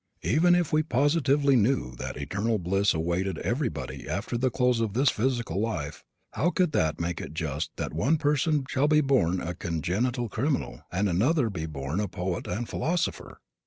Even if we positively knew that eternal bliss awaited everybody after the close of this physical life how could that make it just that one person shall be born a congenital criminal and another shall be born a poet and philosopher?